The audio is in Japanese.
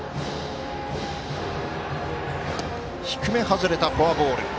低め外れた、フォアボール。